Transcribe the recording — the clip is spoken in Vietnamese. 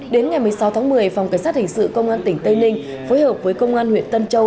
đến ngày một mươi sáu tháng một mươi phòng cảnh sát hình sự công an tỉnh tây ninh phối hợp với công an huyện tân châu